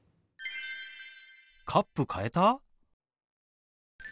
カップ変えた？